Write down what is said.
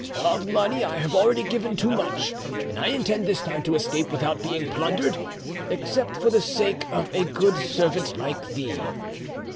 Of money I have already given too much, and I intend this time to escape without being plundered except for the sake of a good servant like thee.